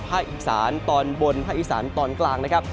ภาคอีสานตอนบนภาคอีสานตอนกลางนะครับ